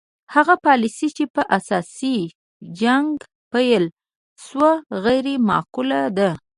هغه پالیسي چې په اساس یې جنګ پیل شو غیر معقوله ده.